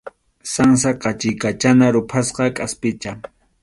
Sansa qachiykachana ruphasqa kʼaspicha.